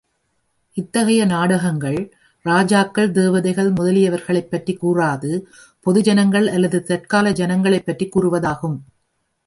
இத்தகைய நாடகங்கள், ராஜாக்கள் தேவதைகள் முதலியவர்களைப்பற்றிக் கூறாது, பொது ஜனங்கள் அல்லது தற்கால ஜனங்களைப் பற்றிக் கூறுவதாகும்.